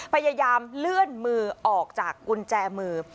พยายามเลื่อนมือออกจากกุญแจมือ